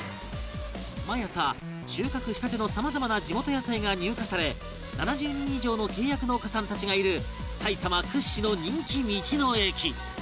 毎朝収穫したての様々な地元野菜が入荷され７０人以上の契約農家さんたちがいる埼玉屈指の人気道の駅